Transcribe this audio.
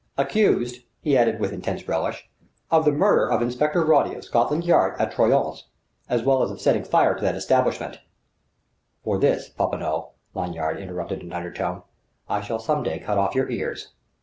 "Accused," he added with intense relish, "of the murder of Inspector Roddy of Scotland Yard at Troyon's, as well as of setting fire to that establishment " "For this, Popinot," Lanyard interrupted in an undertone, "I shall some day cut off your ears!"